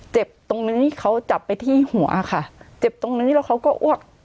เจ็บตรงนี้เขาจับไปที่หัวค่ะเจ็บตรงนี้แล้วเขาก็อ้วก